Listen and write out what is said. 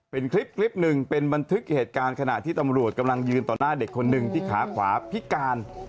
เป็นคลิปหนึ่งเป็นบันทึกเหตุการณ์ขณะที่ตำรวจกำลังยืนต่อหน้าเด็กคนหนึ่งที่ขาขวาพิการ